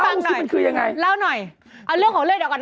นี่ไง